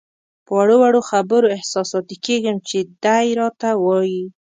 په وړو وړو خبرو احساساتي کېږم چې دی راته وایي.